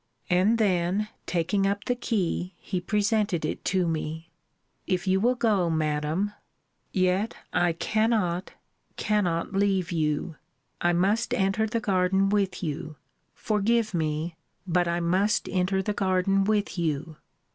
And then taking up the key, he presented it to me. If you will go, Madam Yet, I cannot, cannot leave you! I must enter the garden with you forgive me, but I must enter the garden with you.